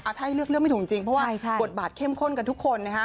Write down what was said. ถ้าให้เลือกเรื่องไม่ถูกจริงเพราะว่าบทบาทเข้มข้นกันทุกคนนะฮะ